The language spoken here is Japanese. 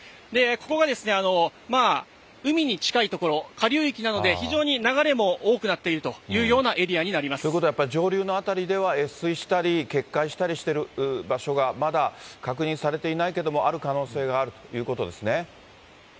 ここがですね、海に近い所、下流域なので、非常に流れも多くなっているというようなエリアになっということはやっぱり上流の辺りでは、越水したり決壊したりしている場所がまだ確認されていないけどもある可能性があるということですね。